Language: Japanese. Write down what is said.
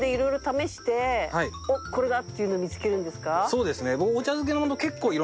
そうですね。